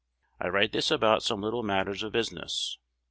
I write this about some little matters of business.